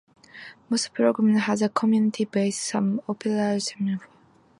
Most programs have a community base; some operate as private profit-making ventures.